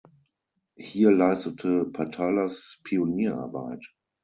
Hier leistete Patalas Pionierarbeit.